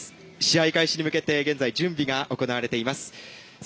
試合開始に向けて現在、準備が行われています。